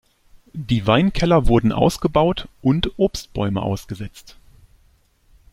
Die Weinkeller wurden ausgebaut und Obstbäume ausgesetzt.